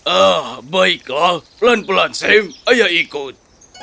ah baiklah pelan pelan sam ayo ikut